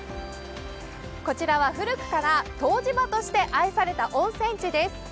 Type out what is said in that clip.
こちらは古くから湯治場として愛された温泉地です。